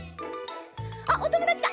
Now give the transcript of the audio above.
あっおともだちだ。